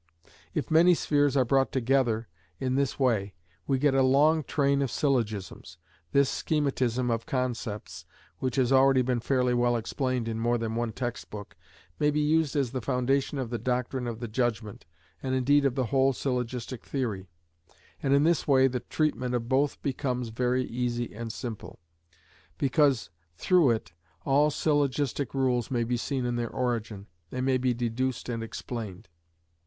If many spheres are brought together in this way we get a long train of syllogisms. This schematism of concepts, which has already been fairly well explained in more than one textbook, may be used as the foundation of the doctrine of the judgment, and indeed of the whole syllogistic theory, and in this way the treatment of both becomes very easy and simple. Because, through it, all syllogistic rules may be seen in their origin, and may be deduced and explained.